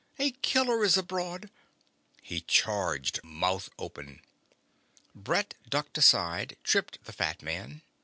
"A killer is abroad!" He charged, mouth open. Brett ducked aside, tripped the fat man.